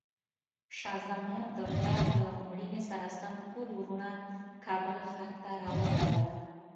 شاه زمان د پلار له مړینې سره سم ټول وروڼه کابل ښار ته راوبلل.